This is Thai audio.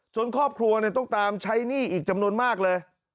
ครอบครัวต้องตามใช้หนี้อีกจำนวนมากเลย